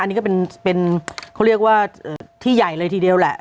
อันนี้ก็เป็นเขาเรียกว่าที่ใหญ่เลยทีเดียวแหละ